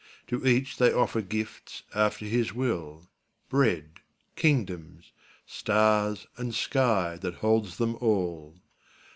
To each they offer gifts after his will, Bread, kingdoms, stars, and sky that holds them all.